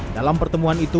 dalam pertemuan itu